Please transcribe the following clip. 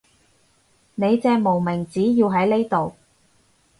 你隻無名指要喺呢度